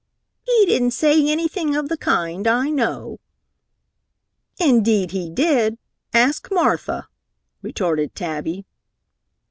"He didn't say anything of the kind, I know." "Indeed he did! Ask Martha!" retorted Tabby.